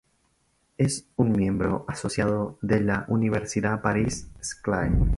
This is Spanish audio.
Es un miembro asociado de la Universidad Paris-Saclay.